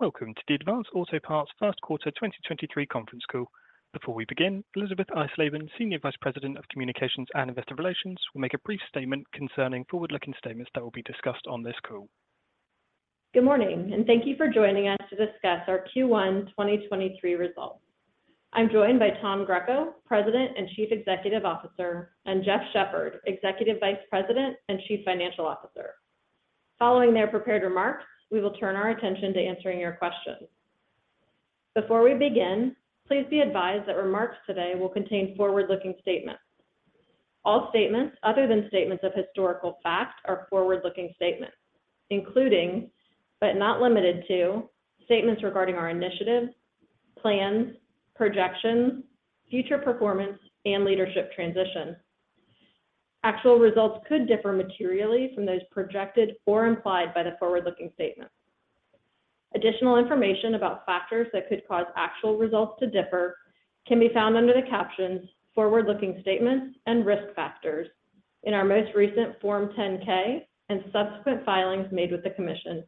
Welcome to the Advance Auto Parts First Quarter 2023 Conference Call. Before we begin, Elisabeth Eisleben, Senior Vice President of Communications and Investor Relations, will make a brief statement concerning forward-looking statements that will be discussed on this call. Good morning, and thank you for joining us to discuss our Q1 2023 results. I'm joined by Tom Greco, President and Chief Executive Officer, and Jeff Shepherd, Executive Vice President and Chief Financial Officer. Following their prepared remarks, we will turn our attention to answering your questions. Before we begin, please be advised that remarks today will contain forward-looking statements. All statements other than statements of historical fact are forward-looking statements, including, but not limited to, statements regarding our initiatives, plans, projections, future performance, and leadership transition. Actual results could differ materially from those projected or implied by the forward-looking statements. Additional information about factors that could cause actual results to differ can be found under the captions "Forward-Looking Statements" and "Risk Factors" in our most recent Form 10-K and subsequent filings made with the commission.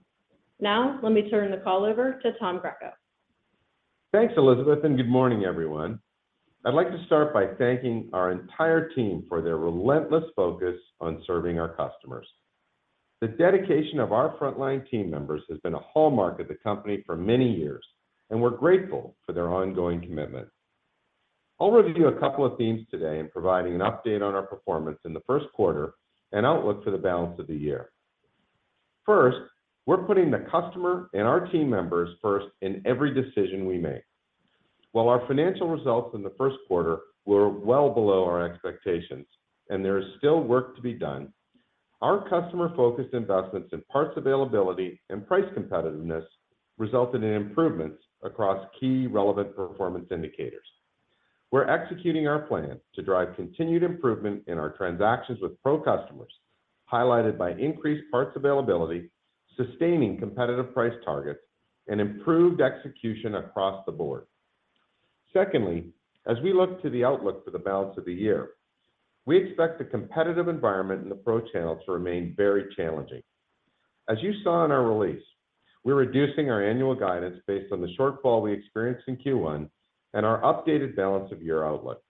Now, let me turn the call over to Tom Greco. Thanks, Elisabeth. Good morning, everyone. I'd like to start by thanking our entire team for their relentless focus on serving our customers. The dedication of our frontline team members has been a hallmark of the company for many years. We're grateful for their ongoing commitment. I'll review a couple of themes today in providing an update on our performance in the first quarter and outlook for the balance of the year. First, we're putting the customer and our team members first in every decision we make. While our financial results in the first quarter were well below our expectations, and there is still work to be done, our customer-focused investments in parts availability and price competitiveness resulted in improvements across key relevant performance indicators. We're executing our plan to drive continued improvement in our transactions with pro customers, highlighted by increased parts availability, sustaining competitive price targets, and improved execution across the board. Secondly, as we look to the outlook for the balance of the year, we expect the competitive environment in the pro channel to remain very challenging. As you saw in our release, we're reducing our annual guidance based on the shortfall we experienced in Q1 and our updated balance of year outlook.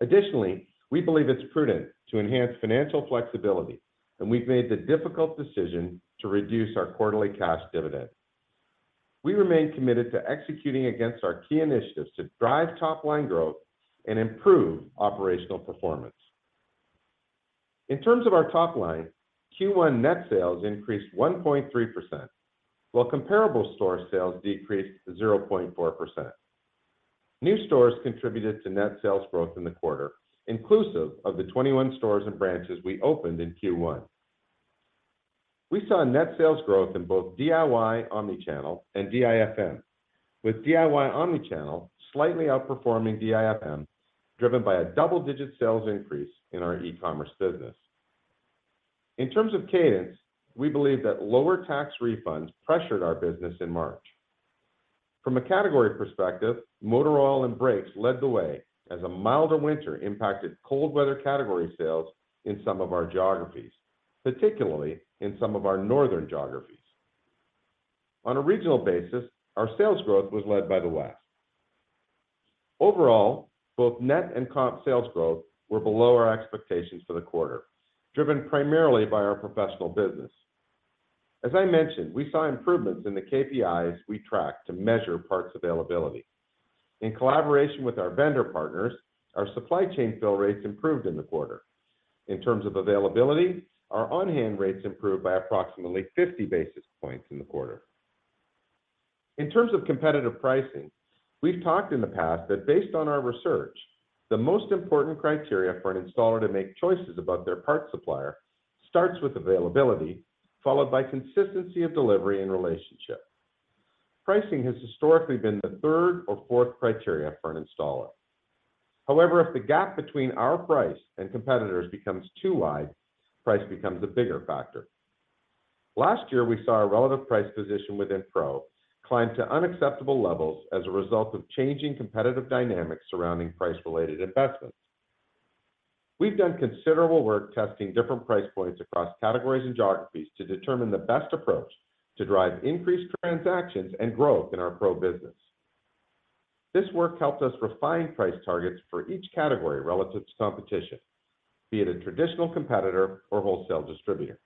Additionally, we believe it's prudent to enhance financial flexibility, and we've made the difficult decision to reduce our quarterly cash dividend. We remain committed to executing against our key initiatives to drive top-line growth and improve operational performance. In terms of our top line, Q1 net sales increased 1.3%, while comparable store sales decreased to 0.4%. New stores contributed to net sales growth in the quarter, inclusive of the 21 stores and branches we opened in Q1. We saw a net sales growth in both DIY, omni-channel, and DIFM, with DIY omni-channel slightly outperforming DIFM, driven by a double-digit sales increase in our e-commerce business. In terms of cadence, we believe that lower tax refunds pressured our business in March. From a category perspective, motor oil and brakes led the way as a milder winter impacted cold weather category sales in some of our geographies, particularly in some of our northern geographies. On a regional basis, our sales growth was led by the West. Overall, both net and comp sales growth were below our expectations for the quarter, driven primarily by our professional business. As I mentioned, we saw improvements in the KPIs we tracked to measure parts availability. In collaboration with our vendor partners, our supply chain fill rates improved in the quarter. In terms of availability, our on-hand rates improved by approximately 50 basis points in the quarter. In terms of competitive pricing, we've talked in the past that based on our research, the most important criteria for an installer to make choices about their parts supplier starts with availability, followed by consistency of delivery and relationship. Pricing has historically been the third or fourth criteria for an installer. However, if the gap between our price and competitors becomes too wide, price becomes a bigger factor. Last year, we saw our relative price position within Pro climb to unacceptable levels as a result of changing competitive dynamics surrounding price-related investments. We've done considerable work testing different price points across categories and geographies to determine the best approach to drive increased transactions and growth in our Pro business. This work helped us refine price targets for each category relative to competition, be it a traditional competitor or wholesale distributor.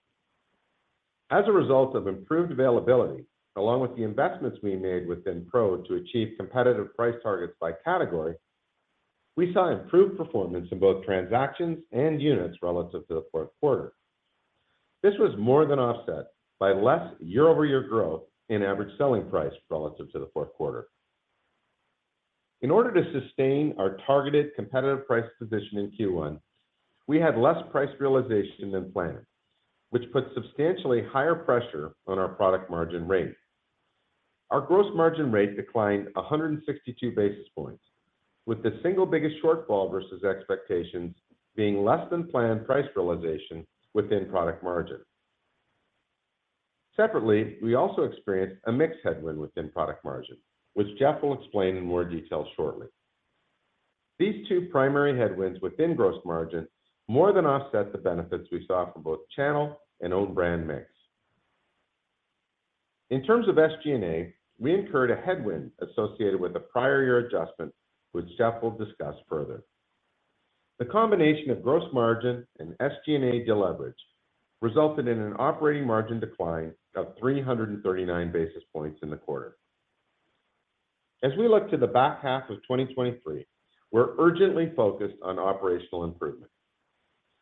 As a result of improved availability, along with the investments we made within Pro to achieve competitive price targets by category, we saw improved performance in both transactions and units relative to the fourth quarter. This was more than offset by less year-over-year growth in average selling price relative to the fourth quarter. In order to sustain our targeted competitive price position in Q1, we had less price realization than planned, which put substantially higher pressure on our product margin rate. Our gross margin rate declined 162 basis points, with the single biggest shortfall versus expectations being less than planned price realization within product margin. Separately, we also experienced a mix headwind within product margin, which Jeff will explain in more detail shortly. These two primary headwinds within gross margin more than offset the benefits we saw from both channel and own brand mix. In terms of SG&A, we incurred a headwind associated with the prior year adjustment, which Jeff will discuss further. The combination of gross margin and SG&A deleverage resulted in an operating margin decline of 339 basis points in the quarter. As we look to the back half of 2023, we're urgently focused on operational improvement.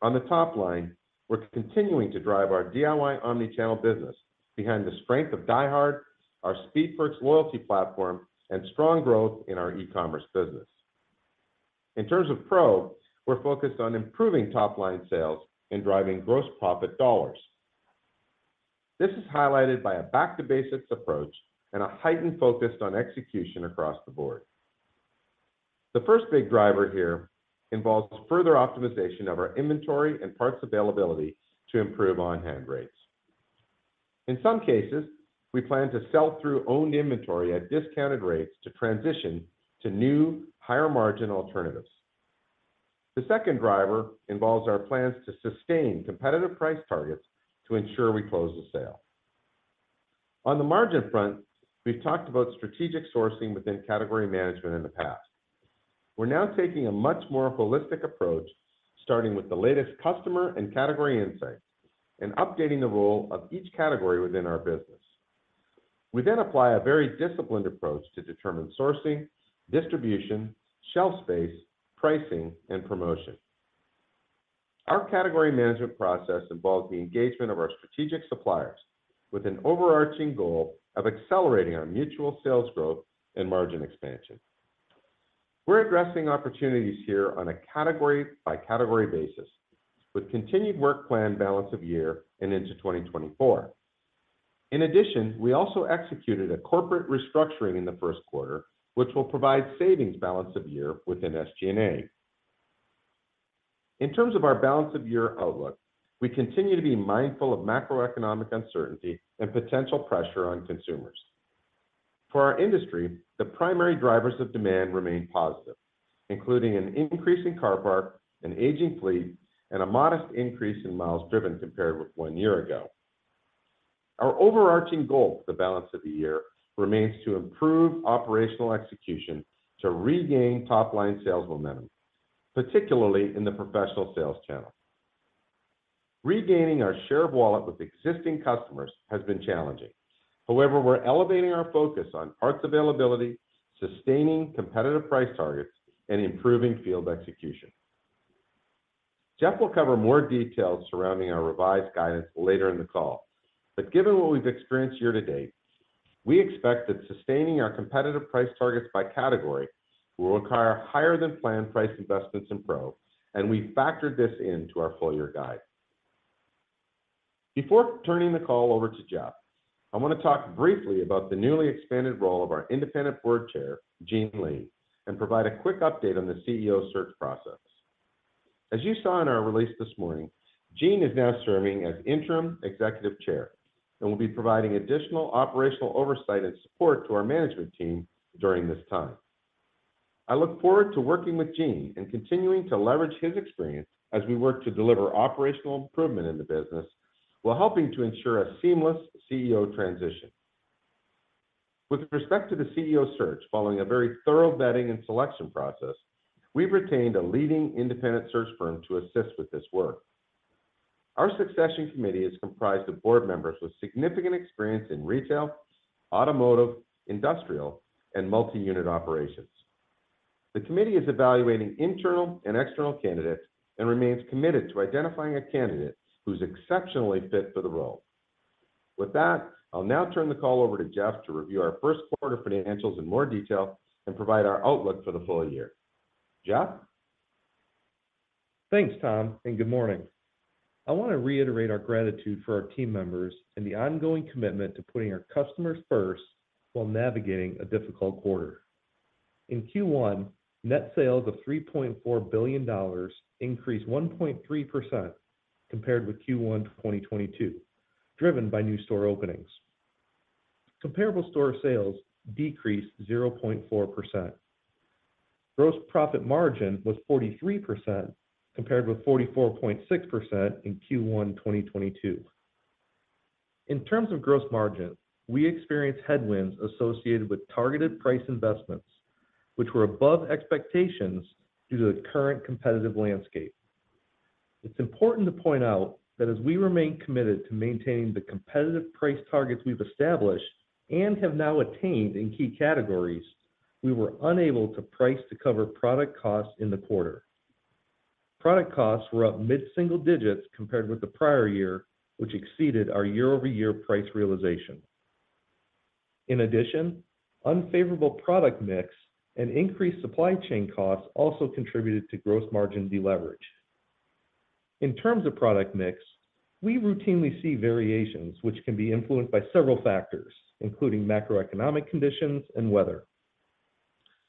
On the top line, we're continuing to drive our DIY omni-channel business behind the strength of DieHard, our Speed Perks loyalty platform, and strong growth in our e-commerce business. In terms of Pro, we're focused on improving top-line sales and driving gross profit dollars. This is highlighted by a back-to-basics approach and a heightened focus on execution across the board. The first big driver here involves further optimization of our inventory and parts availability to improve on-hand rates. In some cases, we plan to sell through owned inventory at discounted rates to transition to new, higher-margin alternatives. The second driver involves our plans to sustain competitive price targets to ensure we close the sale. On the margin front, we've talked about strategic sourcing within category management in the past. We're now taking a much more holistic approach, starting with the latest customer and category insights and updating the role of each category within our business. We apply a very disciplined approach to determine sourcing, distribution, shelf space, pricing, and promotion. Our category management process involves the engagement of our strategic suppliers with an overarching goal of accelerating our mutual sales growth and margin expansion. We're addressing opportunities here on a category-by-category basis, with continued work plan balance of year and into 2024. We also executed a corporate restructuring in the first quarter, which will provide savings balance of year within SG&A. In terms of our balance of year outlook, we continue to be mindful of macroeconomic uncertainty and potential pressure on consumers. For our industry, the primary drivers of demand remain positive, including an increasing car park, an aging fleet, and a modest increase in miles driven compared with one year ago. Our overarching goal for the balance of the year remains to improve operational execution to regain top-line sales momentum, particularly in the professional sales channel. Regaining our share of wallet with existing customers has been challenging. We're elevating our focus on parts availability, sustaining competitive price targets, and improving field execution. Jeff will cover more details surrounding our revised guidance later in the call. Given what we've experienced year-to-date, we expect that sustaining our competitive price targets by category will require higher-than-planned price investments in Pro, and we've factored this into our full-year guide. Before turning the call over to Jeff, I wanna talk briefly about the newly expanded role of our independent Board Chair, Gene Lee, and provide a quick update on the CEO search process. As you saw in our release this morning, Gene is now serving as Interim Executive Chair and will be providing additional operational oversight and support to our management team during this time. I look forward to working with Gene and continuing to leverage his experience as we work to deliver operational improvement in the business, while helping to ensure a seamless CEO transition. With respect to the CEO search, following a very thorough vetting and selection process, we've retained a leading independent search firm to assist with this work. Our succession committee is comprised of board members with significant experience in retail, automotive, industrial, and multi-unit operations. The committee is evaluating internal and external candidates and remains committed to identifying a candidate who's exceptionally fit for the role. With that, I'll now turn the call over to Jeff to review our first quarter financials in more detail and provide our outlook for the full year. Jeff? Thanks, Tom. Good morning. I want to reiterate our gratitude for our team members and the ongoing commitment to putting our customers first while navigating a difficult quarter. In Q1, net sales of $3.4 billion increased 1.3% compared with Q1 2022, driven by new store openings. Comparable store sales decreased 0.4%. Gross profit margin was 43%, compared with 44.6% in Q1 2022. In terms of gross margin, we experienced headwinds associated with targeted price investments, which were above expectations due to the current competitive landscape. It's important to point out that as we remain committed to maintaining the competitive price targets we've established and have now attained in key categories, we were unable to price to cover product costs in the quarter. Product costs were up mid-single digits compared with the prior year, which exceeded our year-over-year price realization. In addition, unfavorable product mix and increased supply chain costs also contributed to gross margin deleverage. In terms of product mix, we routinely see variations which can be influenced by several factors, including macroeconomic conditions and weather.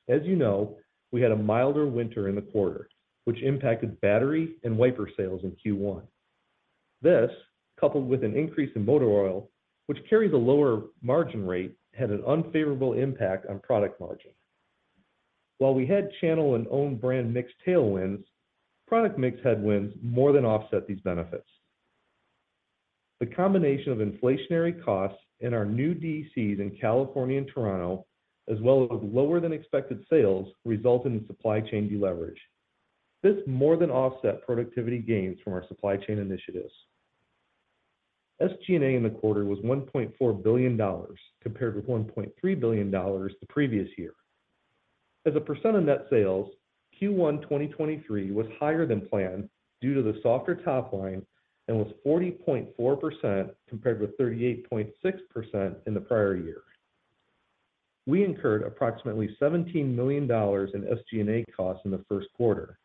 As you know, we had a milder winter in the quarter, which impacted battery and wiper sales in Q1. This, coupled with an increase in motor oil, which carries a lower margin rate, had an unfavorable impact on product margin. While we had channel and own brand mix tailwinds, product mix headwinds more than offset these benefits. The combination of inflationary costs and our new DCs in California and Toronto, as well as lower than expected sales, resulted in supply chain deleverage. This more than offset productivity gains from our supply chain initiatives. SG&A in the quarter was $1.4 billion, compared with $1.3 billion the previous year. As a percent of net sales, Q1 2023 was higher than planned due to the softer top line, and was 40.4%, compared with 38.6% in the prior year. We incurred approximately $17 million in SG&A costs in the first quarter.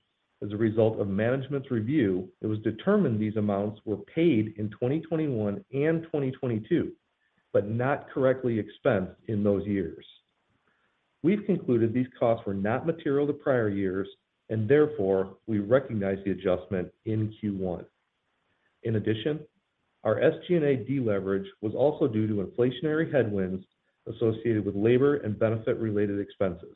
As a result of management's review, it was determined these amounts were paid in 2021 and 2022, but not correctly expensed in those years. We've concluded these costs were not material to prior years, and therefore, we recognize the adjustment in Q1. Our SG&A deleverage was also due to inflationary headwinds associated with labor and benefit-related expenses.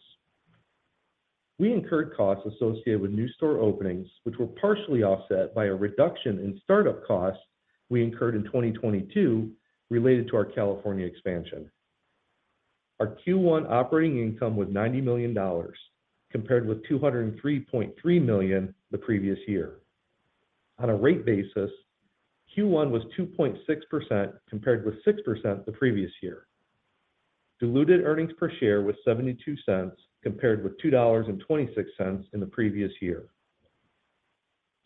We incurred costs associated with new store openings, which were partially offset by a reduction in start-up costs we incurred in 2022 related to our California expansion. Our Q1 operating income was $90 million, compared with $203.3 million the previous year. On a rate basis, Q1 was 2.6%, compared with 6% the previous year. Diluted earnings per share was $0.72, compared with $2.26 in the previous year.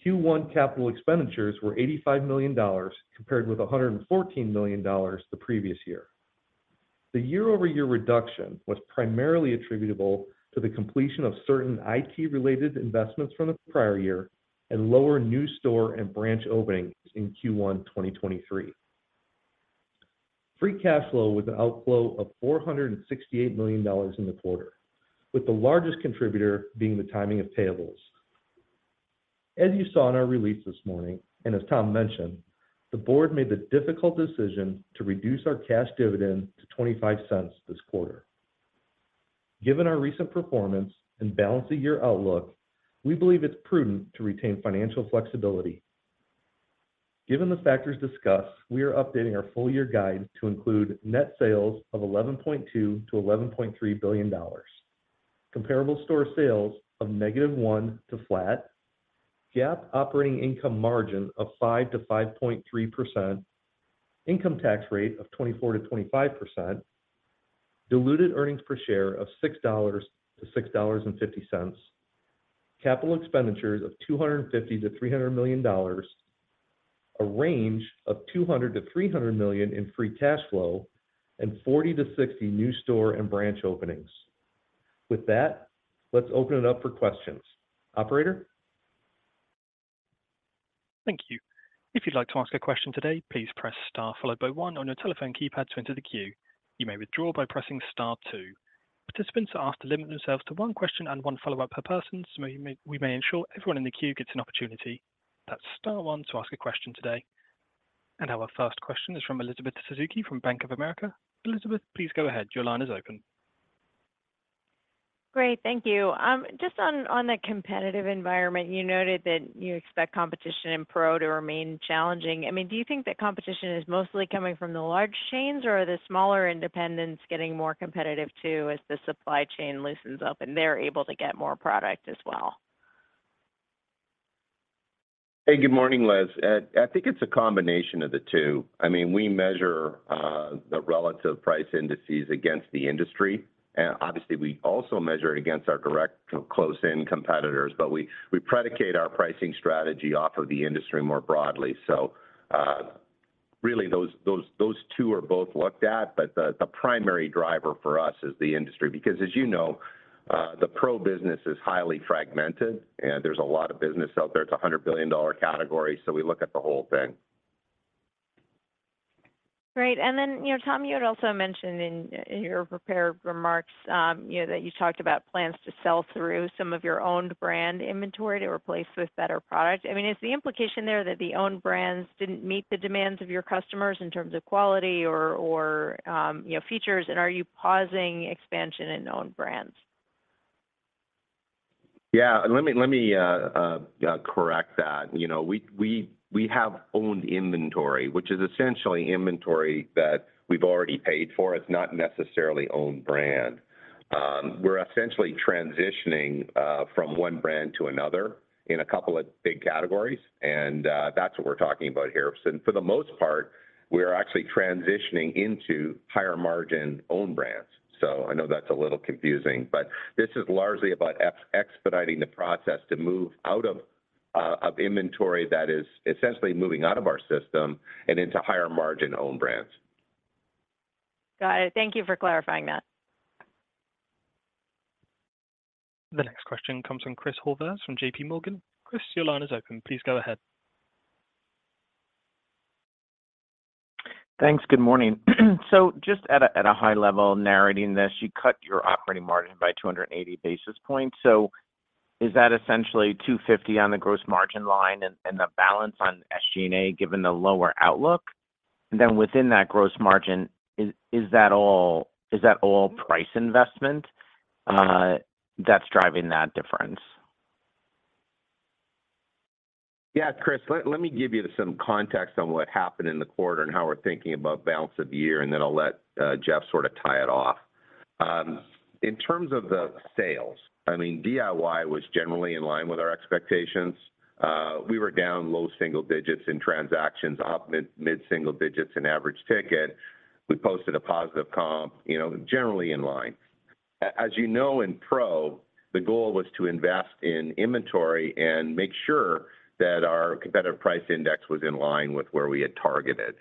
Q1 capital expenditures were $85 million, compared with $114 million the previous year. The year-over-year reduction was primarily attributable to the completion of certain IT-related investments from the prior year, and lower new store and branch openings in Q1 2023. Free cash flow with an outflow of $468 million in the quarter, with the largest contributor being the timing of payables. As you saw in our release this morning, and as Tom mentioned, the board made the difficult decision to reduce our cash dividend to $0.25 this quarter. Given our recent performance and balance of year outlook, we believe it's prudent to retain financial flexibility. Given the factors discussed, we are updating our full year guide to include net sales of $11.2 billion-$11.3 billion. Comparable store sales of -1% to flat, GAAP operating income margin of 5%-5.3%, income tax rate of 24%-25%, diluted earnings per share of $6.00-$6.50, capital expenditures of $250 million-$300 million, a range of $200 million-$300 million in free cash flow, and 40-60 new store and branch openings. With that, let's open it up for questions. Operator? Thank you. If you'd like to ask a question today, please press Star followed by 1 on your telephone keypad to enter the queue. You may withdraw by pressing Star 2. Participants are asked to limit themselves to 1 question and 1 follow-up per person, so we may ensure everyone in the queue gets an opportunity. That's Star 1 to ask a question today. Our first question is from Elizabeth Suzuki from Bank of America. Elizabeth, please go ahead. Your line is open. Great, thank you. Just on the competitive environment, you noted that you expect competition in pro to remain challenging. I mean, do you think that competition is mostly coming from the large chains, or are the smaller independents getting more competitive, too, as the supply chain loosens up and they're able to get more product as well? Hey, good morning, Liz. I think it's a combination of the two. I mean, we measure the relative price indices against the industry, and obviously, we also measure it against our direct, close-in competitors, but we predicate our pricing strategy off of the industry more broadly. Really, those two are both looked at, but the primary driver for us is the industry, because as you know, the pro business is highly fragmented and there's a lot of business out there. It's a $100 billion category, so we look at the whole thing. Great. You know, Tom, you had also mentioned in your prepared remarks, you know, that you talked about plans to sell through some of your own brand inventory to replace with better products. I mean, is the implication there that the own brands didn't meet the demands of your customers in terms of quality or, you know, features, and are you pausing expansion in own brands? Yeah, let me correct that. You know, we have owned inventory, which is essentially inventory that we've already paid for. It's not necessarily own brand. we're essentially transitioning from one brand to another in a couple of big categories, and that's what we're talking about here. For the most part, we're actually transitioning into higher margin own brands. I know that's a little confusing, but this is largely about expediting the process to move out of inventory that is essentially moving out of our system and into higher margin own brands. Got it. Thank you for clarifying that. The next question comes from Chris Horvers, from J.P. Morgan. Chris, your line is open. Please go ahead. Thanks. Good morning. Just at a high level, narrating this, you cut your operating margin by 280 basis points. Is that essentially 250 on the gross margin line and the balance on SG&A, given the lower outlook? Within that gross margin, is that all price investment that's driving that difference? Yeah, Chris, let me give you some context on what happened in the quarter and how we're thinking about balance of the year, and then I'll let Jeff sort of tie it off. In terms of the sales, I mean, DIY was generally in line with our expectations. We were down low single digits in transactions, up mid single digits in average ticket. We posted a positive comp, you know, generally in line. As you know, in Pro, the goal was to invest in inventory and make sure that our competitive price index was in line with where we had targeted.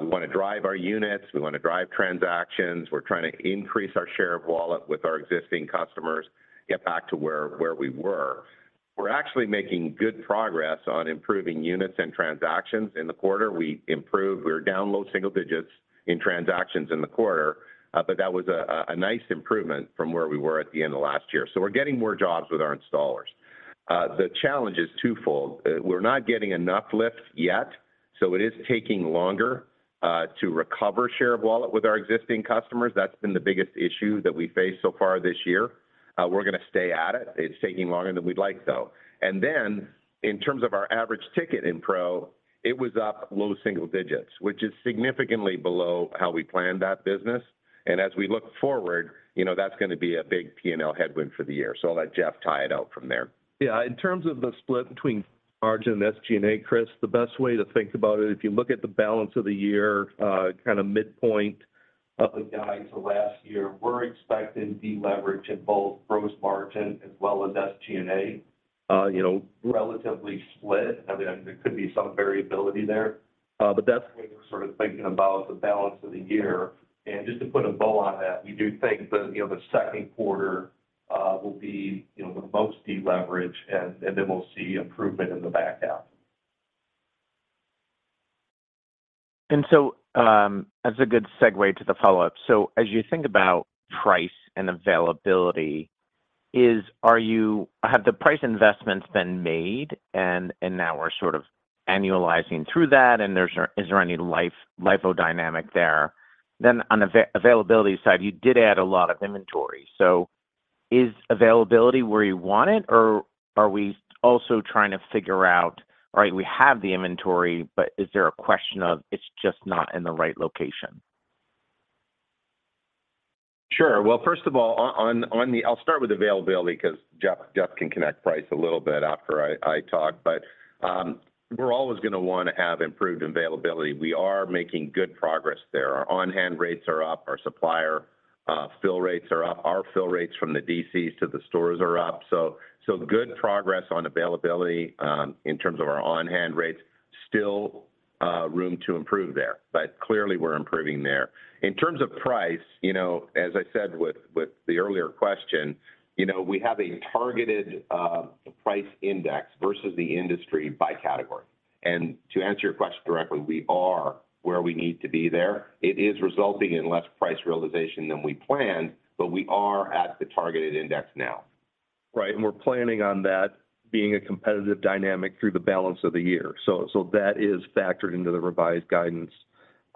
We wanna drive our units, we wanna drive transactions. We're trying to increase our share of wallet with our existing customers, get back to where we were. We're actually making good progress on improving units and transactions in the quarter. We were down low single digits in transactions in the quarter, that was a nice improvement from where we were at the end of last year. We're getting more jobs with our installers. The challenge is twofold. We're not getting enough lift yet, so it is taking longer to recover share of wallet with our existing customers. That's been the biggest issue that we face so far this year. We're gonna stay at it. It's taking longer than we'd like, though. In terms of our average ticket in Pro, it was up low single digits, which is significantly below how we planned that business. As we look forward, you know, that's gonna be a big P&L headwind for the year. I'll let Jeff tie it out from there. Yeah. In terms of the split between margin and SG&A, Chris, the best way to think about it, if you look at the balance of the year, kind of midpoint of the guidance for last year, we're expecting deleverage in both gross margin as well as SG&A, you know, relatively split. I mean, there could be some variability there, but that's when we're sort of thinking about the balance of the year. Just to put a bow on that, we do think that, you know, the second quarter, will be, you know, the most deleverage, and then we'll see improvement in the back half. That's a good segue to the follow-up. As you think about price and availability, have the price investments been made, and now we're sort of annualizing through that, is there any LIFO dynamic there? On availability side, you did add a lot of inventory. Is availability where you want it, or are we also trying to figure out, all right, we have the inventory, but is there a question of it's just not in the right location? Sure. Well, first of all, on the... I'll start with availability because Jeff can connect price a little bit after I talk. We're always gonna wanna have improved availability. We are making good progress there. Our on-hand rates are up, our supplier fill rates are up. Our fill rates from the DCs to the stores are up, so good progress on availability, in terms of our on-hand rates. Still, room to improve there, but clearly we're improving there. In terms of price, you know, as I said with the earlier question, you know, we have a targeted price index versus the industry by category. To answer your question directly, we are where we need to be there. It is resulting in less price realization than we planned, but we are at the targeted index now. Right, we're planning on that being a competitive dynamic through the balance of the year. That is factored into the revised guidance.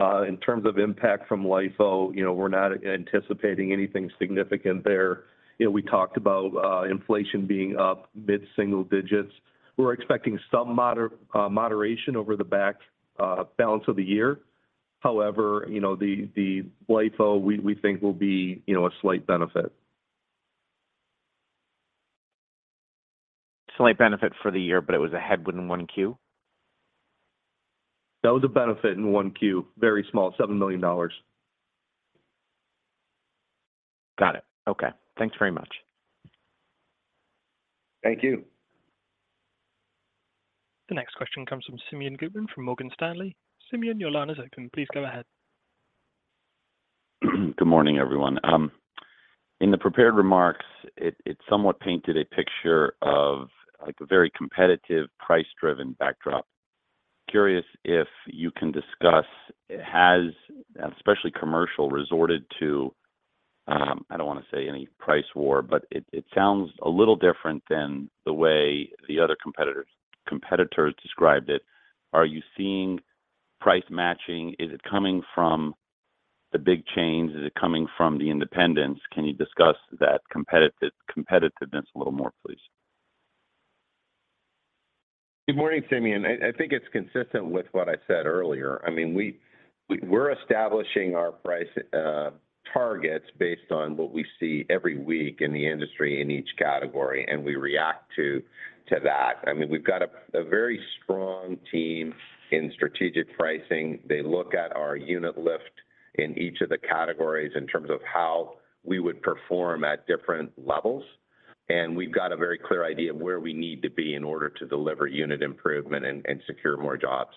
In terms of impact from LIFO, you know, we're not anticipating anything significant there. You know, we talked about inflation being up mid-single digits. We're expecting some moderation over the back balance of the year. However, you know, the LIFO, we think will be, you know, a slight benefit. Slight benefit for the year, but it was a headwind in 1Q? That was a benefit in 1Q, very small, $7 million. Got it. Okay. Thanks very much. Thank you. The next question comes from Simeon Gutman, from Morgan Stanley. Simeon, you're line is open. Please go ahead. Good morning, everyone. In the prepared remarks, it somewhat painted a picture of, like, a very competitive, price-driven backdrop. Curious if you can discuss, has, especially commercial, resorted to, I don't wanna say any price war, but it sounds a little different than the way the other competitors described it. Are you seeing price matching? Is it coming from the big chains? Is it coming from the independents? Can you discuss that competitiveness a little more, please? Good morning, Simeon. I think it's consistent with what I said earlier. I mean, we're establishing our price targets based on what we see every week in the industry in each category, and we react to that. I mean, we've got a very strong team in strategic pricing. They look at our unit lift in each of the categories in terms of how we would perform at different levels, and we've got a very clear idea of where we need to be in order to deliver unit improvement and secure more jobs.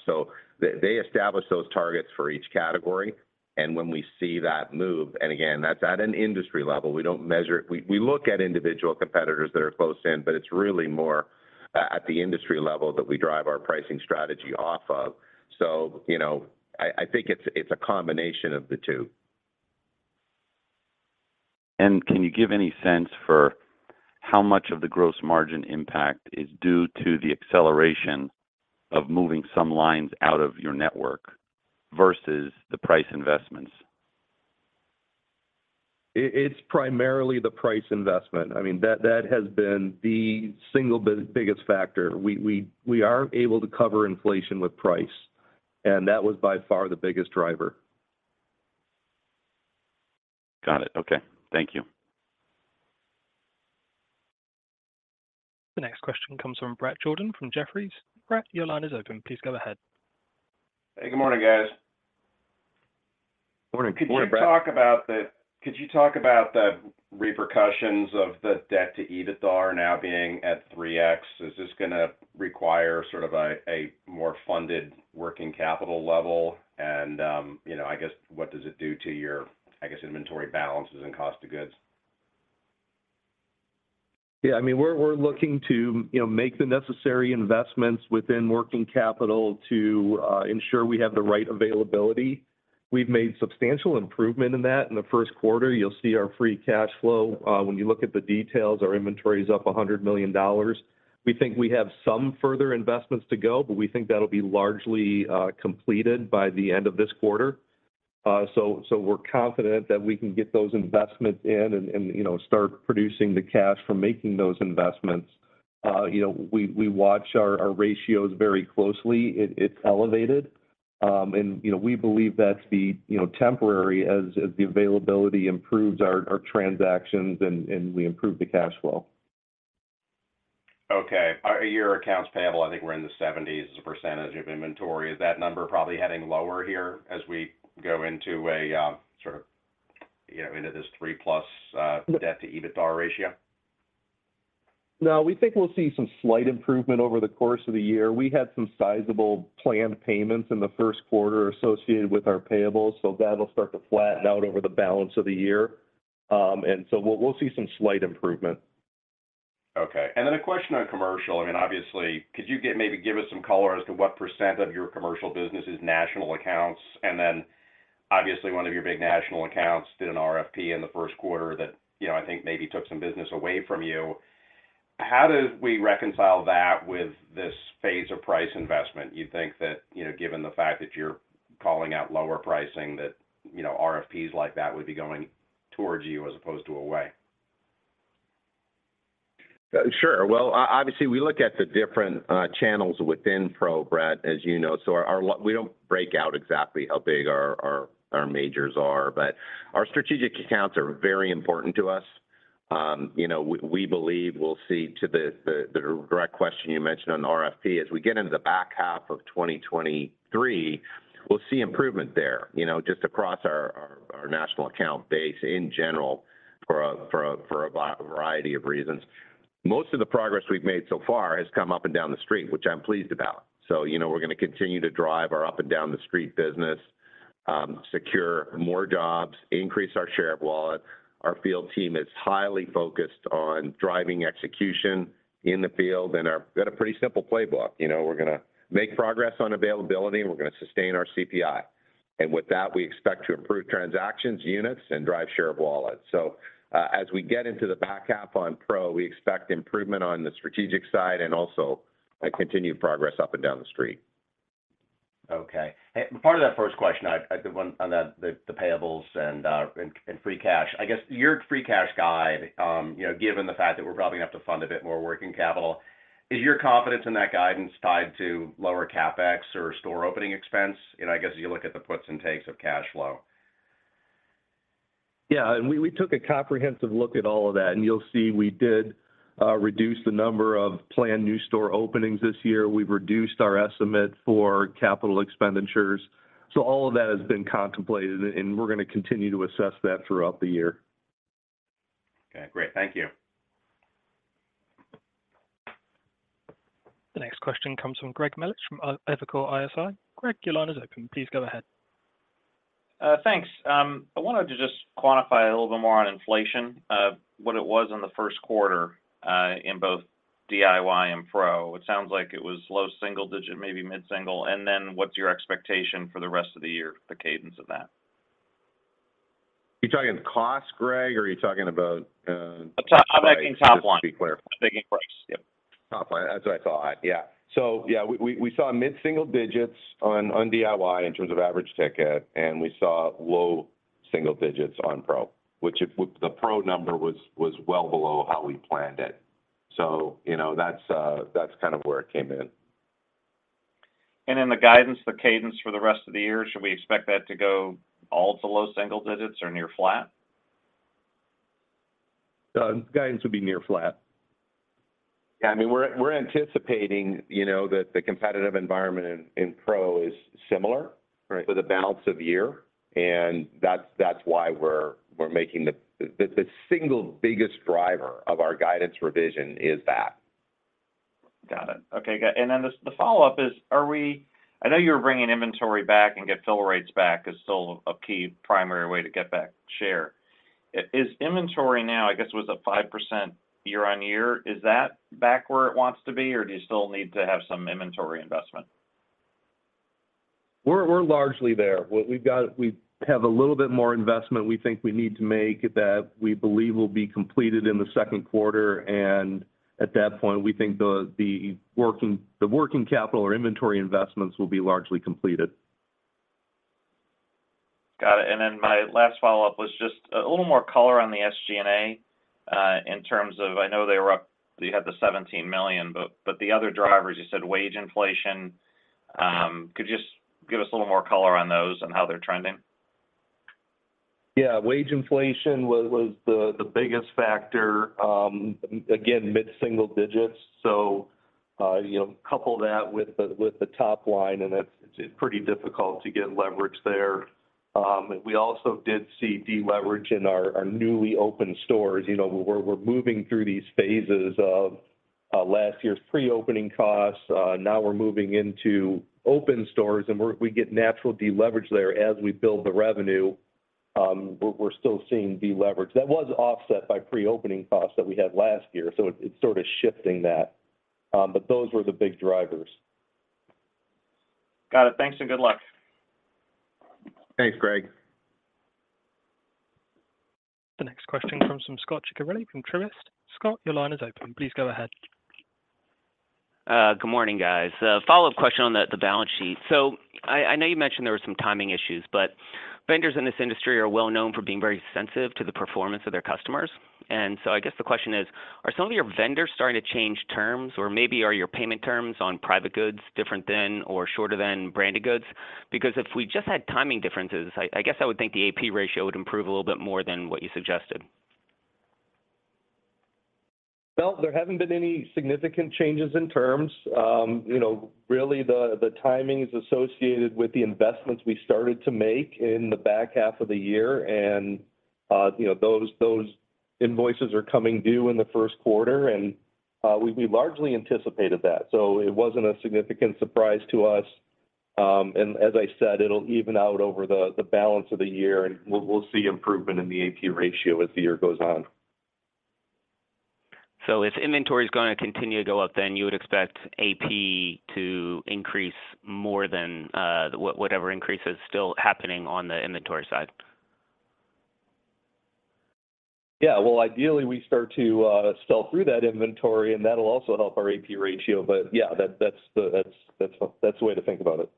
They establish those targets for each category. When we see that move, and again, that's at an industry level, we don't measure it. We look at individual competitors that are close in, but it's really more at the industry level that we drive our pricing strategy off of. you know, I think it's a combination of the two. Can you give any sense for how much of the gross margin impact is due to the acceleration of moving some lines out of your network versus the price investments? it's primarily the price investment. I mean, that has been the single biggest factor. We are able to cover inflation with price, that was by far the biggest driver. Got it. Okay, thank you. The next question comes from Bret Jordan, from Jefferies. Brett, your line is open. Please go ahead. Hey, good morning, guys. Morning. Morning, Brett. Could you talk about the repercussions of the debt to EBITDA now being at 3x? Is this gonna require sort of a more funded working capital level? You know, I guess, what does it do to your, I guess, inventory balances and cost of goods? Yeah, I mean, we're looking to, you know, make the necessary investments within working capital to ensure we have the right availability. We've made substantial improvement in that. In the first quarter, you'll see our free cash flow. When you look at the details, our inventory is up $100 million. We think we have some further investments to go, but we think that'll be largely completed by the end of this quarter. So we're confident that we can get those investments in and, you know, start producing the cash from making those investments. You know, we watch our ratios very closely. It's elevated, and, you know, we believe that's temporary as the availability improves our transactions and we improve the cash flow. Your accounts payable, I think we're in the 70s as a percentage of inventory. Is that number probably heading lower here as we go into a, sort of, you know, into this three-plus debt-to-EBITDA ratio? No, we think we'll see some slight improvement over the course of the year. We had some sizable planned payments in the first quarter associated with our payables, so that'll start to flatten out over the balance of the year. We'll see some slight improvement. Okay. Then a question on commercial. I mean, obviously, could you maybe give us some color as to what percentage of your commercial business is national accounts? Then obviously one of your big national accounts did an RFP in the first quarter that, you know, I think maybe took some business away from you. How do we reconcile that with this phase of price investment? You'd think that, you know, given the fact that you're calling out lower pricing, that, you know, RFPs like that would be going towards you as opposed to away. Sure. Well, obviously, we look at the different channels within Pro, Brett, as you know. We don't break out exactly how big our majors are, but our strategic accounts are very important to us. You know, we believe we'll see to the direct question you mentioned on the RFP, as we get into the back half of 2023, we'll see improvement there, you know, just across our national account base in general for a variety of reasons. Most of the progress we've made so far has come up and down the street, which I'm pleased about. You know, we're gonna continue to drive our up-and-down the street business, secure more jobs, increase our share of wallet. Our field team is highly focused on driving execution in the field, we've got a pretty simple playbook. You know, we're gonna make progress on availability, and we're gonna sustain our CPI. With that, we expect to improve transactions, units, and drive share of wallet. As we get into the back half on Pro, we expect improvement on the strategic side and also a continued progress up and down the street. Okay. Hey, part of that first question, I, the one on the payables and free cash. I guess your free cash guide, you know, given the fact that we're probably gonna have to fund a bit more working capital, is your confidence in that guidance tied to lower CapEx or store opening expense? You know, I guess as you look at the puts and takes of cash flow. Yeah, we took a comprehensive look at all of that, and you'll see we did reduce the number of planned new store openings this year. We've reduced our estimate for capital expenditures. All of that has been contemplated, and we're gonna continue to assess that throughout the year. Okay, great. Thank you. The next question comes from Greg Melich, from Evercore ISI. Greg, your line is open. Please go ahead. Thanks. I wanted to just quantify a little bit more on inflation, what it was in the first quarter, in both DIY and Pro. It sounds like it was low single digit, maybe mid-single, and then what's your expectation for the rest of the year, the cadence of that? You talking cost, Greg, or are you talking about? I'm talking top line- Just to be clear. I'm thinking price. Yep. Top line, that's what I thought. Yeah. Yeah, we saw mid-single digits on DIY in terms of average ticket, and we saw low single digits on Pro, which the Pro number was well below how we planned it. You know, that's kind of where it came in. The guidance, the cadence for the rest of the year, should we expect that to go all to low single digits or near flat? The guidance will be near flat. Yeah, I mean, we're anticipating, you know, that the competitive environment in Pro is. Right... for the balance of the year, and that's why we're making the single biggest driver of our guidance revision is that. Got it. Okay, good. Then the follow-up is, I know you're bringing inventory back and get fill rates back is still a key primary way to get back share. Is inventory now, I guess, was a 5% year-on-year, is that back where it wants to be, or do you still need to have some inventory investment? We're largely there. We have a little bit more investment we think we need to make that we believe will be completed in the second quarter, and at that point, we think the working capital or inventory investments will be largely completed. Got it. Then my last follow-up was just a little more color on the SG&A, in terms of I know they were up, you had the $17 million, but the other drivers, you said wage inflation. Could you just give us a little more color on those and how they're trending? Wage inflation was the biggest factor, again, mid-single digits. you know, couple that with the top line, and it's pretty difficult to get leverage there. We also did see deleverage in our newly opened stores. You know, we're moving through these phases of last year's pre-opening costs. Now we're moving into open stores, and we get natural deleverage there as we build the revenue. We're still seeing deleverage. That was offset by pre-opening costs that we had last year, so it's sort of shifting that. Those were the big drivers. Got it. Thanks and good luck. Thanks, Greg. The next question comes from Scot Ciccarelli from Truist. Scot, your line is open. Please go ahead. Good morning, guys. A follow-up question on the balance sheet. I know you mentioned there were some timing issues, but vendors in this industry are well known for being very sensitive to the performance of their customers. I guess the question is, are some of your vendors starting to change terms, or maybe are your payment terms on private goods different than or shorter than branded goods? Because if we just had timing differences, I guess I would think the AP ratio would improve a little bit more than what you suggested. Well, there haven't been any significant changes in terms. You know, really the timings associated with the investments we started to make in the back half of the year, and, you know, those invoices are coming due in the first quarter, and we largely anticipated that, so it wasn't a significant surprise to us. As I said, it'll even out over the balance of the year, and we'll see improvement in the AP ratio as the year goes on. If inventory is gonna continue to go up, you would expect AP to increase more than whatever increase is still happening on the inventory side? Yeah. Well, ideally, we start to sell through that inventory, and that'll also help our AP ratio. Yeah, that's the way to think about it.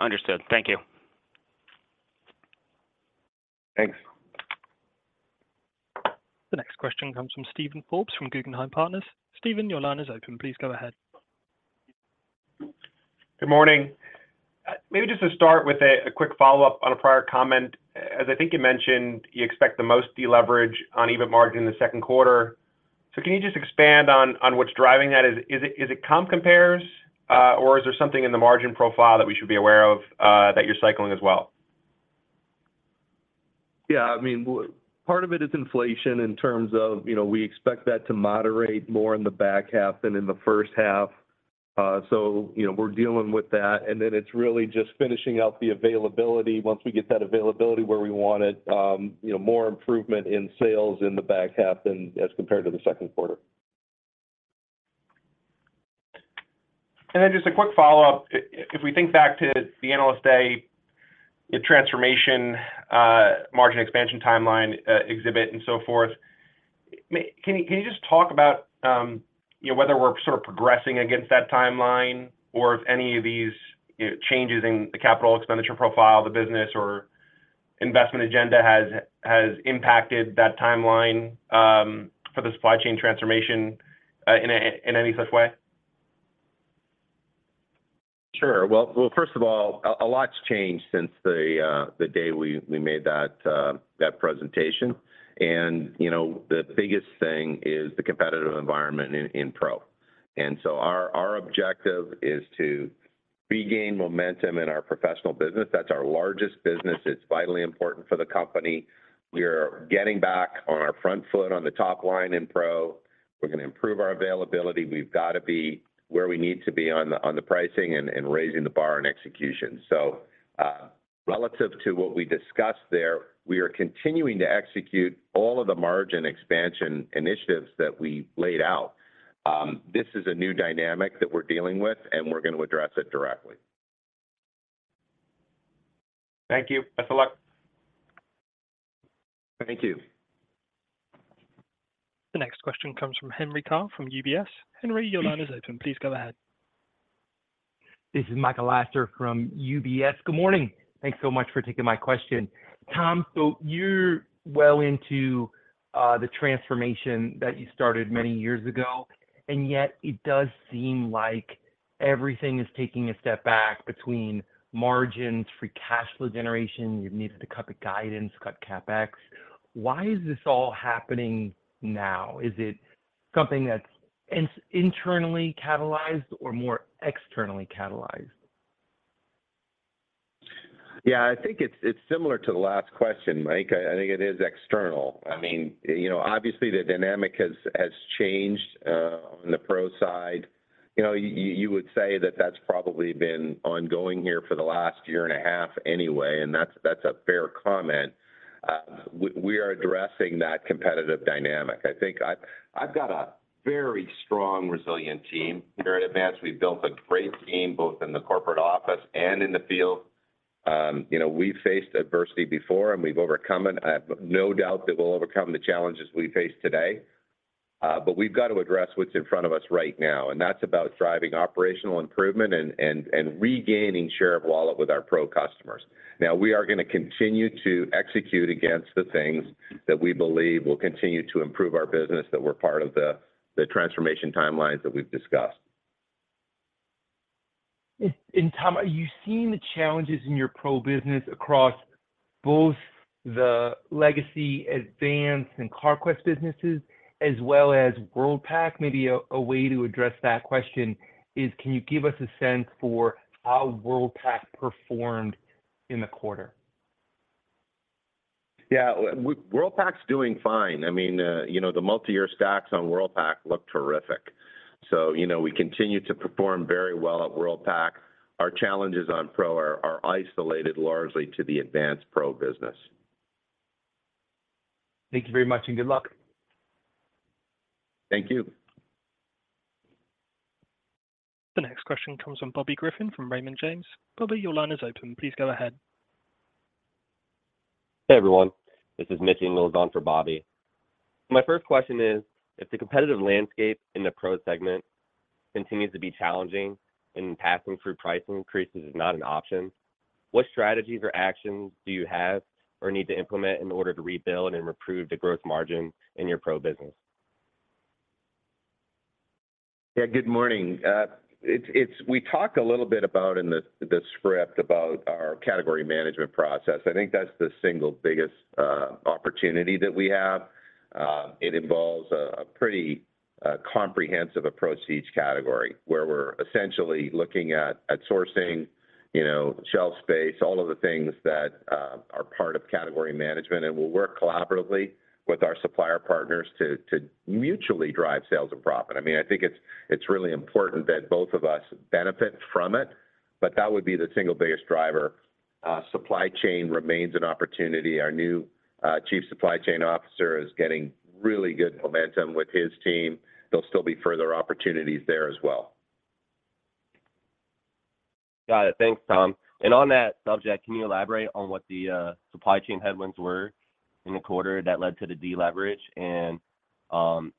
Understood. Thank you. Thanks. The next question comes from Steven Forbes from Guggenheim Partners. Steven, your line is open. Please go ahead. Good morning. Maybe just to start with a quick follow-up on a prior comment. As I think you mentioned, you expect the most deleverage on EBIT margin in the second quarter. Can you just expand on what's driving that? Is it comp compares, or is there something in the margin profile that we should be aware of, that you're cycling as well? Yeah, I mean, part of it is inflation in terms of, you know, we expect that to moderate more in the back half than in the first half. You know, we're dealing with that, and then it's really just finishing out the availability. Once we get that availability where we want it, you know, more improvement in sales in the back half than as compared to the second quarter. Just a quick follow-up. If we think back to the Analyst Day, the transformation, margin expansion timeline, exhibit, and so forth, can you just talk about, you know, whether we're sort of progressing against that timeline or if any of these, you know, changes in the capital expenditure profile, the business or investment agenda has impacted that timeline for the supply chain transformation in any such way? Sure. Well, first of all, a lot's changed since the day we made that presentation. You know, the biggest thing is the competitive environment in pro. Our objective is to regain momentum in our professional business. That's our largest business. It's vitally important for the company. We're getting back on our front foot, on the top line in pro. We're gonna improve our availability. We've got to be where we need to be on the pricing and raising the bar and execution. Relative to what we discussed there, we are continuing to execute all of the margin expansion initiatives that we laid out. This is a new dynamic that we're dealing with, and we're going to address it directly. Thank you. Best of luck. Thank you. The next question comes from Henry Tom from UBS. Henry, your line is open. Please go ahead. This is Michael Lasser from UBS. Good morning. Thanks so much for taking my question. Tom, you're well into the transformation that you started many years ago, and yet it does seem like everything is taking a step back between margins, free cash flow generation. You've needed to cut the guidance, cut CapEx. Why is this all happening now? Is it something that's internally catalyzed or more externally catalyzed? Yeah, I think it's similar to the last question, Mike. I think it is external. I mean, you know, obviously, the dynamic has changed on the pro side. You know, you would say that that's probably been ongoing here for the last year and a half anyway, and that's a fair comment. We are addressing that competitive dynamic. I think I've got a very strong, resilient team here at Advance. We've built a great team, both in the corporate office and in the field. You know, we've faced adversity before, and we've overcome it. I have no doubt that we'll overcome the challenges we face today, but we've got to address what's in front of us right now, and that's about driving operational improvement and regaining share of wallet with our pro customers. We are gonna continue to execute against the things that we believe will continue to improve our business, that were part of the transformation timelines that we've discussed. Tom, are you seeing the challenges in your pro business across both the legacy Advance and Carquest businesses, as well as Worldpac? Maybe a way to address that question is, can you give us a sense for how Worldpac performed in the quarter? Yeah. Worldpac's doing fine. I mean, you know, the multiyear stacks on Worldpac look terrific. you know, we continue to perform very well at Worldpac. Our challenges on Pro are isolated largely to the Advance Pro business. Thank you very much, and good luck. Thank you. The next question comes from Bobby Griffin from Raymond James. Bobby, your line is open. Please go ahead. Hey, everyone. This is Mitch Ingles on for Bobby. My first question is, if the competitive landscape in the pro segment continues to be challenging, and passing through price increases is not an option, what strategies or actions do you have or need to implement in order to rebuild and improve the growth margin in your pro business? Good morning. We talked a little bit about in the script about our category management process. I think that's the single biggest opportunity that we have. It involves a pretty comprehensive approach to each category, where we're essentially looking at sourcing, you know, shelf space, all of the things that are part of category management, and we'll work collaboratively with our supplier partners to mutually drive sales and profit. I mean, I think it's really important that both of us benefit from it, but that would be the single biggest driver. Supply chain remains an opportunity. Our new chief supply chain officer is getting really good momentum with his team. There'll still be further opportunities there as well. Got it. Thanks, Tom. On that subject, can you elaborate on what the supply chain headwinds were in the quarter that led to the deleverage, and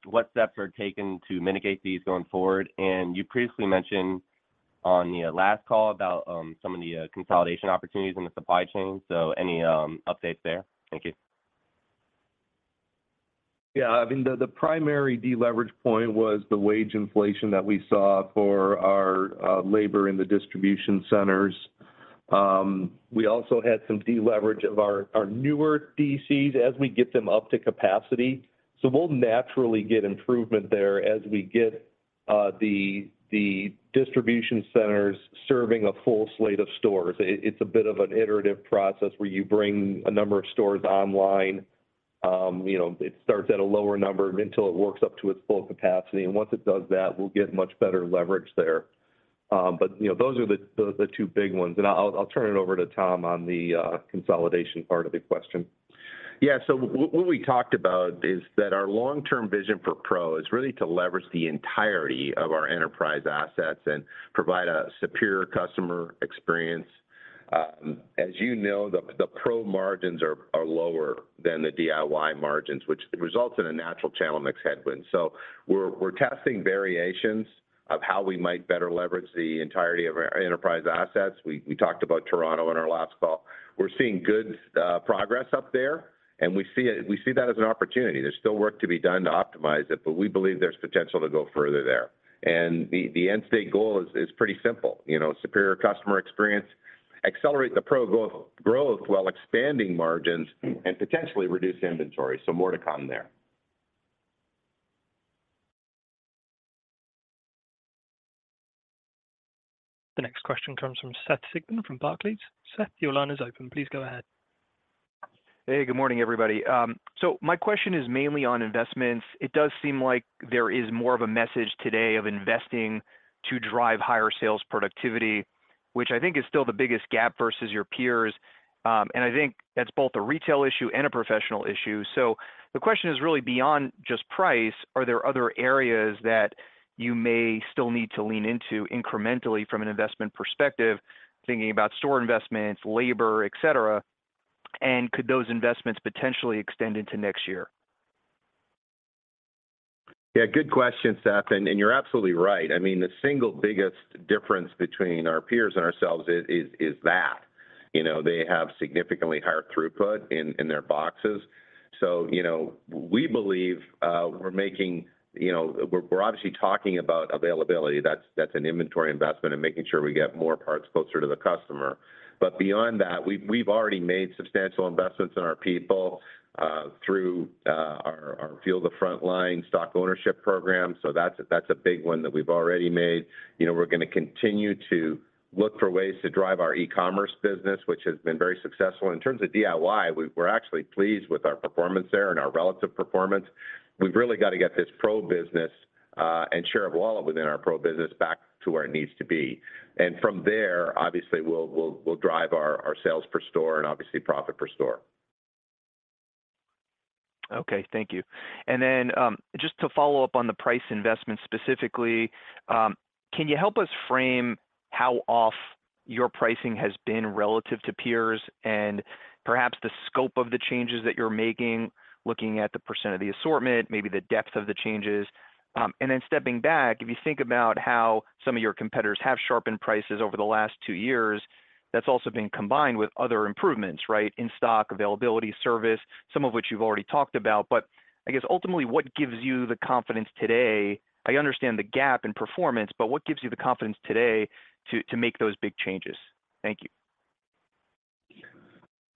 what steps are taken to mitigate these going forward? You previously mentioned on the last call about some of the consolidation opportunities in the supply chain. Any updates there? Thank you. Yeah, I mean, the primary deleverage point was the wage inflation that we saw for our labor in the distribution centers. We also had some deleverage of our newer DCs as we get them up to capacity. We'll naturally get improvement there as we get the distribution centers serving a full slate of stores. It's a bit of an iterative process, where you bring a number of stores online. You know, it starts at a lower number until it works up to its full capacity, and once it does that, we'll get much better leverage there. You know, those are the two big ones, and I'll turn it over to Tom on the consolidation part of the question. What we talked about is that our long-term vision for Pro is really to leverage the entirety of our enterprise assets and provide a superior customer experience. As you know, the pro margins are lower than the DIY margins, which results in a natural channel mix headwind. We're testing variations of how we might better leverage the entirety of our enterprise assets. We talked about Toronto in our last call. We're seeing good progress up there, and we see that as an opportunity. There's still work to be done to optimize it, but we believe there's potential to go further there. The end state goal is pretty simple. You know, superior customer experience, accelerate the pro growth while expanding margins and potentially reduce inventory. More to come there. The next question comes from Seth Sigman from Barclays. Seth, your line is open. Please go ahead. Hey, good morning, everybody. My question is mainly on investments. It does seem like there is more of a message today of investing to drive higher sales productivity, which I think is still the biggest gap versus your peers. I think that's both a retail issue and a professional issue. The question is really beyond just price, are there other areas that you may still need to lean into incrementally from an investment perspective, thinking about store investments, labor, et cetera, and could those investments potentially extend into next year? Yeah, good question, Seth, you're absolutely right. I mean, the single biggest difference between our peers and ourselves is that. You know, they have significantly higher throughput in their boxes. You know, we believe. You know, we're obviously talking about availability. That's an inventory investment and making sure we get more parts closer to the customer. Beyond that, we've already made substantial investments in our people through our Fuel the Frontline stock ownership program, that's a big one that we've already made. You know, we're gonna continue to look for ways to drive our e-commerce business, which has been very successful. In terms of DIY, we're actually pleased with our performance there and our relative performance. We've really got to get this pro business, and share of wallet within our pro business back to where it needs to be. From there, obviously, we'll drive our sales per store and obviously, profit per store. Okay, thank you. Just to follow up on the price investment specifically, can you help us frame how off your pricing has been relative to peers and perhaps the scope of the changes that you're making, looking at the percentage of the assortment, maybe the depth of the changes? Stepping back, if you think about how some of your competitors have sharpened prices over the last two years, that's also been combined with other improvements, right? In stock, availability, service, some of which you've already talked about. I guess ultimately, what gives you the confidence today? I understand the gap in performance, but what gives you the confidence today to make those big changes? Thank you.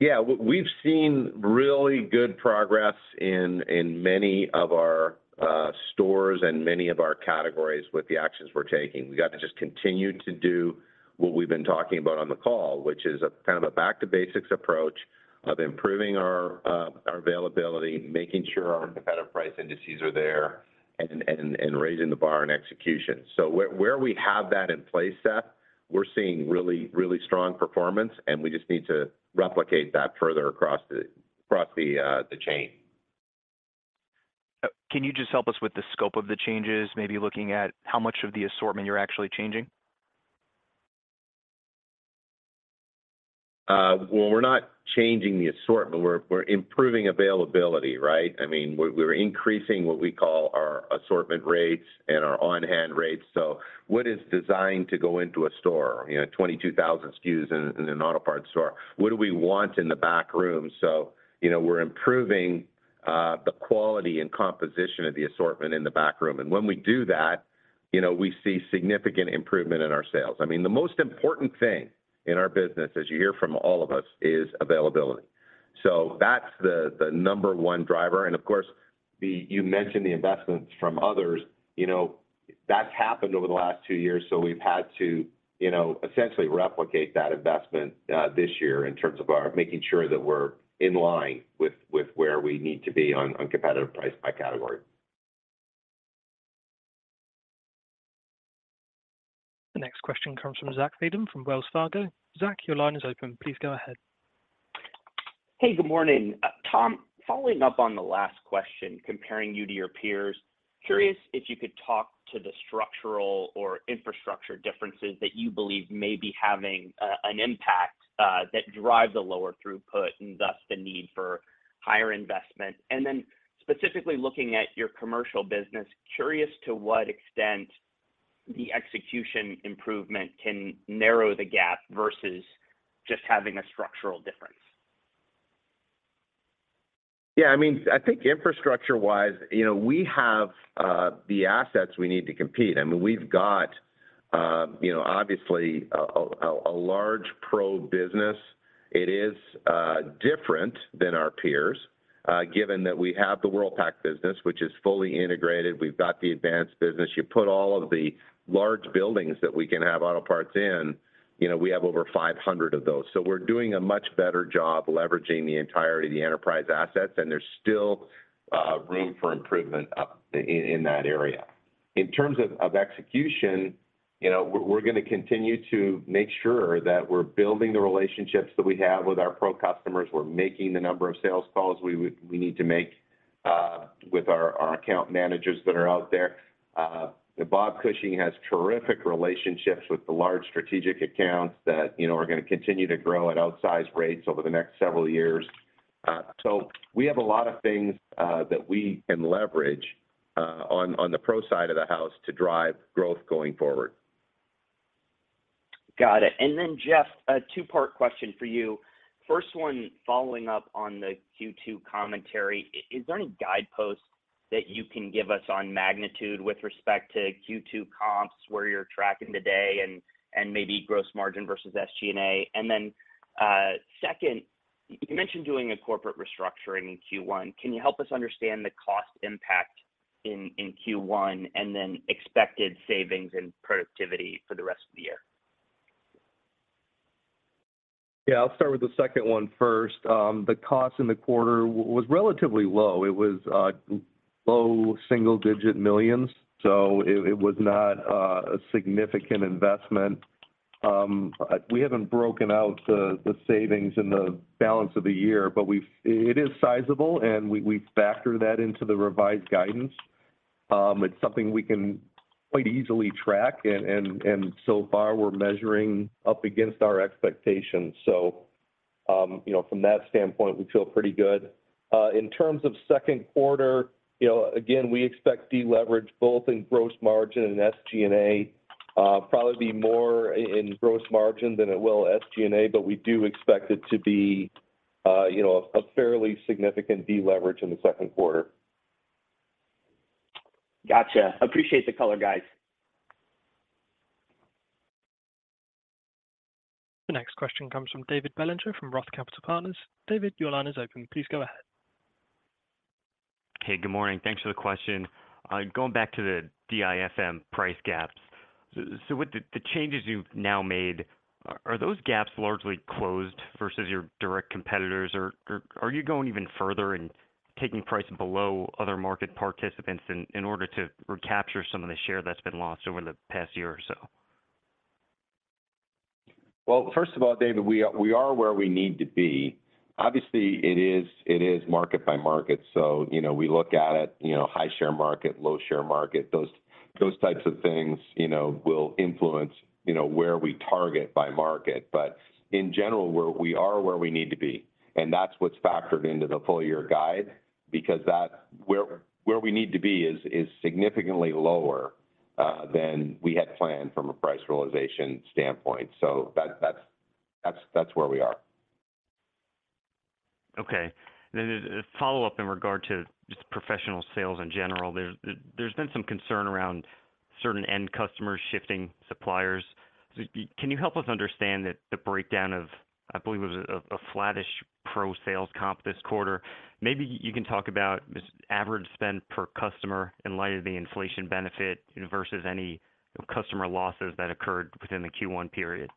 Yeah, we've seen really good progress in many of our stores and many of our categories with the actions we're taking. We've got to just continue to do what we've been talking about on the call, which is a kind of a back to basics approach of improving our availability, making sure our competitive price indices are there, and raising the bar and execution. Where we have that in place, Seth, we're seeing really strong performance, and we just need to replicate that further across the chain. Can you just help us with the scope of the changes, maybe looking at how much of the assortment you're actually changing? Well, we're not changing the assortment. We're, we're improving availability, right? I mean, we're increasing what we call our assortment rates and our on-hand rates. What is designed to go into a store, you know, 22,000 SKUs in an auto parts store. What do we want in the back room? You know, we're improving the quality and composition of the assortment in the back room. When we do that, you know, we see significant improvement in our sales. I mean, the most important thing in our business, as you hear from all of us, is availability. That's the number one driver. Of course, you mentioned the investments from others. You know, that's happened over the last two years, so we've had to, you know, essentially replicate that investment this year in terms of our making sure that we're in line with where we need to be on competitive price by category. The next question comes from Zach Fadem from Wells Fargo. Zach, your line is open. Please go ahead. Hey, good morning. Tom, following up on the last question, comparing you to your peers, curious if you could talk to the structural or infrastructure differences that you believe may be having an impact that drive the lower throughput and thus the need for higher investment. Specifically looking at your commercial business, curious to what extent the execution improvement can narrow the gap versus just having a structural difference? I mean, I think infrastructure-wise, you know, we have the assets we need to compete. I mean, we've got, you know, obviously, a large pro business. It is different than our peers, given that we have the Worldpac business, which is fully integrated, we've got the Advance business. You put all of the large buildings that we can have auto parts in, you know, we have over 500 of those. We're doing a much better job leveraging the entirety of the enterprise assets, and there's still room for improvement up in that area. In terms of execution, you know, we're gonna continue to make sure that we're building the relationships that we have with our pro customers. We're making the number of sales calls we need to make with our account managers that are out there. Bob Cushing has terrific relationships with the large strategic accounts that, you know, are gonna continue to grow at outsized rates over the next several years. We have a lot of things that we can leverage on the pro side of the house to drive growth going forward. Got it. Jeff, a two-part question for you. First one, following up on the Q2 commentary, is there any guidepost that you can give us on magnitude with respect to Q2 comps, where you're tracking today and maybe gross margin versus SG&A? Second, you mentioned doing a corporate restructuring in Q1. Can you help us understand the cost impact in Q1, and then expected savings and productivity for the rest of the year? Yeah, I'll start with the second one first. The cost in the quarter was relatively low. It was low single digit millions, so it was not a significant investment. We haven't broken out the savings in the balance of the year, but it is sizable, and we factor that into the revised guidance. It's something we can quite easily track, and so far, we're measuring up against our expectations. You know, from that standpoint, we feel pretty good. In terms of second quarter, you know, again, we expect deleverage both in gross margin and SG&A, probably be more in gross margin than it will SG&A, but we do expect it to be, you know, a fairly significant deleverage in the second quarter. Gotcha. Appreciate the color, guys. The next question comes from David Bellinger, from ROTH Capital Partners. David, your line is open. Please go ahead. Hey, good morning. Thanks for the question. Going back to the DIFM price gaps. With the changes you've now made, are those gaps largely closed versus your direct competitors? Are you going even further and taking price below other market participants in order to recapture some of the share that's been lost over the past year or so? First of all, David, we are where we need to be. Obviously, it is market by market. You know, we look at it, you know, high-share market, low-share market. Those types of things, you know, will influence, you know, where we target by market. In general, we are where we need to be, and that's what's factored into the full year guide, because where we need to be is significantly lower than we had planned from a price realization standpoint. That's where we are. Okay. A follow-up in regard to just professional sales in general. There's been some concern around certain end customers shifting suppliers. Can you help us understand the breakdown of, I believe it was a flattish pro sales comp this quarter? Maybe you can talk about just average spend per customer in light of the inflation benefit versus any customer losses that occurred within the Q1 period.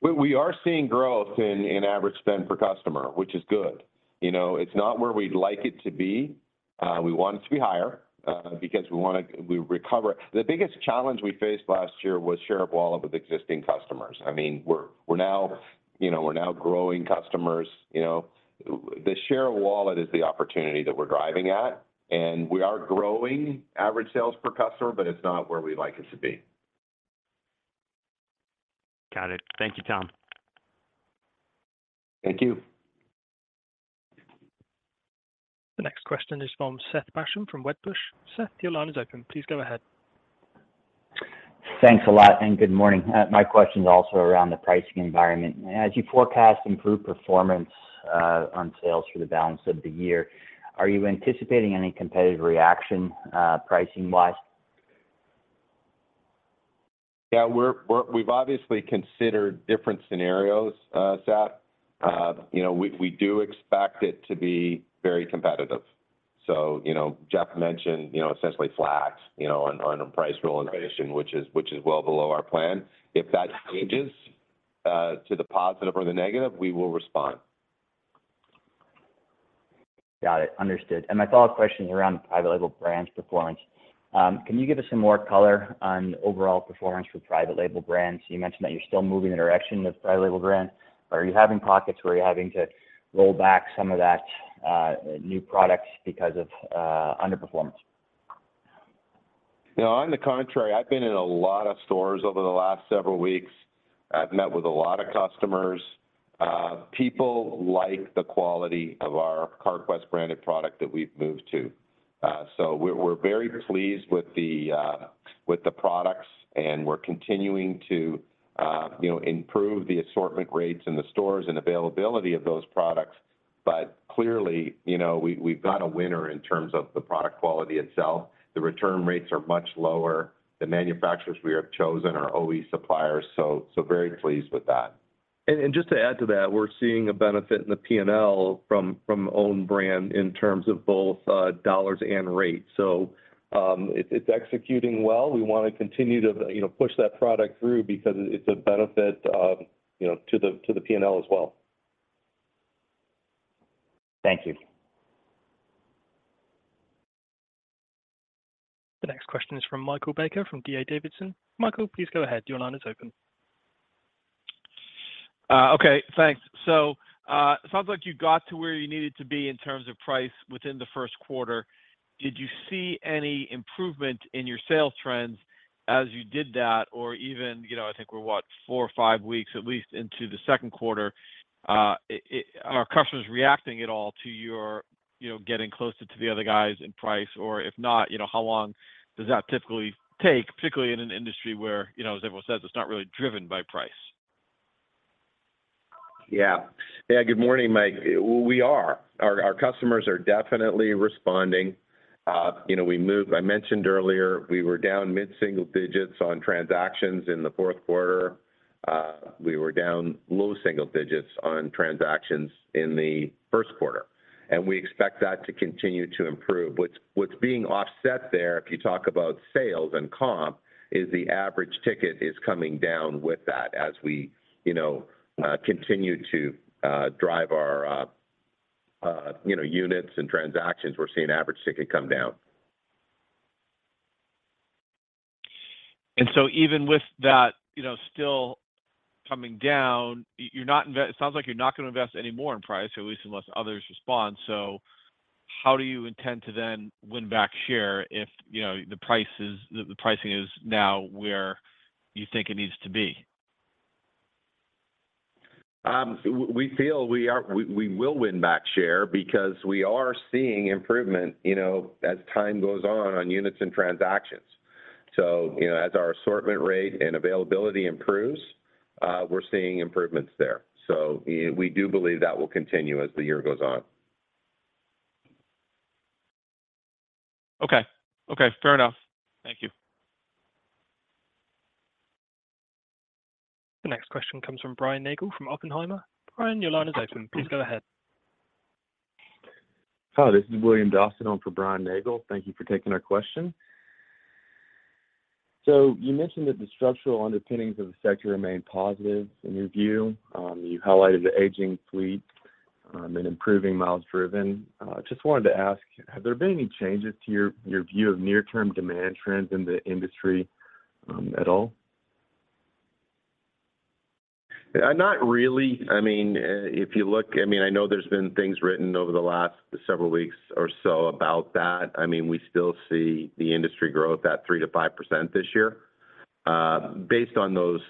We are seeing growth in average spend per customer, which is good. You know, it's not where we'd like it to be. We want it to be higher, because the biggest challenge we faced last year was share of wallet with existing customers. I mean, we're now, you know, growing customers. You know, the share of wallet is the opportunity that we're driving at, and we are growing average sales per customer, but it's not where we'd like it to be. Got it. Thank you, Tom. Thank you. The next question is from Seth Basham from Wedbush. Seth, your line is open. Please go ahead. Thanks a lot. Good morning. My question is also around the pricing environment. As you forecast improved performance on sales for the balance of the year, are you anticipating any competitive reaction pricing wise? Yeah, we've obviously considered different scenarios, Seth. You know, we do expect it to be very competitive. You know, Jeff mentioned, you know, essentially flat, you know, on a price realization, which is well below our plan. If that changes to the positive or the negative, we will respond. Got it. Understood. My follow-up question is around private label brands performance. Can you give us some more color on overall performance for private label brands? You mentioned that you're still moving in the direction of private label brands. Are you having pockets where you're having to roll back some of that new products because of underperformance? No, on the contrary, I've been in a lot of stores over the last several weeks. I've met with a lot of customers. People like the quality of our Carquest branded product that we've moved to. We're very pleased with the products, and we're continuing to, you know, improve the assortment rates in the stores and availability of those products. Clearly, you know, we've got a winner in terms of the product quality itself. The return rates are much lower. The manufacturers we have chosen are OE suppliers, so very pleased with that. Just to add to that, we're seeing a benefit in the P&L from own brand in terms of both dollars and rates. It's executing well. We wanna continue to, you know, push that product through because it's a benefit, you know, to the P&L as well. Thank you. The next question is from Michael Baker, from D.A. Davidson. Michael, please go ahead. Your line is open. Okay, thanks. It sounds like you got to where you needed to be in terms of price within the first quarter. Did you see any improvement in your sales trends as you did that, or even, you know, I think we're, what, four or five weeks at least into the second quarter? Are customers reacting at all to your, you know, getting closer to the other guys in price? If not, you know, how long does that typically take, particularly in an industry where, you know, as everyone says, it's not really driven by price? Yeah. Yeah, good morning, Mike. We are. Our customers are definitely responding. you know, we moved I mentioned earlier, we were down mid-single digits on transactions in the fourth quarter. We were down low single digits on transactions in the first quarter, and we expect that to continue to improve. What's being offset there, if you talk about sales and comp, is the average ticket is coming down with that. As we, you know, continue to drive our, you know, units and transactions, we're seeing average ticket come down. Even with that, you know, still coming down, It sounds like you're not gonna invest any more in price, or at least unless others respond. How do you intend to then win back share if, you know, the pricing is now where you think it needs to be? We feel we will win back share because we are seeing improvement, you know, as time goes on units and transactions. You know, as our assortment rate and availability improves, we're seeing improvements there. We do believe that will continue as the year goes on. Okay. Okay, fair enough. Thank you. The next question comes from Brian Nagel from Oppenheimer. Brian, your line is open. Please go ahead. Hi, this is William Dawson on for Brian Nagel. Thank you for taking our question. You mentioned that the structural underpinnings of the sector remain positive in your view. You highlighted the aging fleet and improving miles driven. Just wanted to ask, have there been any changes to your view of near term demand trends in the industry at all? Not really. I mean, I know there's been things written over the last several weeks or so about that. I mean, we still see the industry growth at 3%-5% this year. Based on those,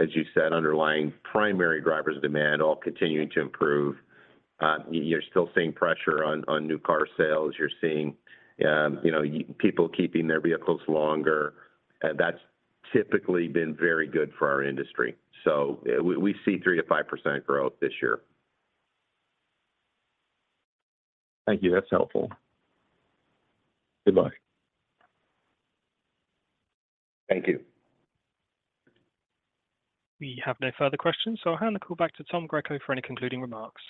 as you said, underlying primary drivers of demand all continuing to improve. You're still seeing pressure on new car sales. You're seeing, you know, people keeping their vehicles longer. That's typically been very good for our industry. We see 3%-5% growth this year. Thank you. That's helpful. Goodbye. Thank you. We have no further questions, so I'll hand the call back to Tom Greco for any concluding remarks.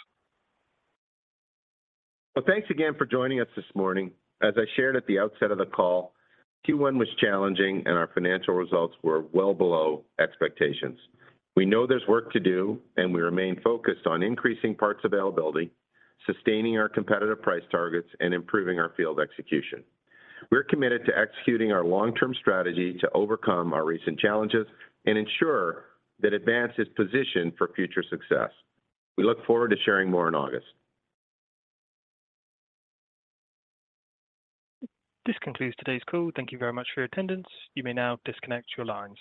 Well, thanks again for joining us this morning. As I shared at the outset of the call, Q1 was challenging. Our financial results were well below expectations. We know there's work to do. We remain focused on increasing parts availability, sustaining our competitive price targets, and improving our field execution. We're committed to executing our long-term strategy to overcome our recent challenges and ensure that Advance is positioned for future success. We look forward to sharing more in August. This concludes today's call. Thank you very much for your attendance. You may now disconnect your lines.